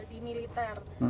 siapa masa dia reklinik